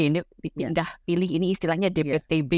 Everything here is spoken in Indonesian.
ini pindah pilih ini istilahnya dptb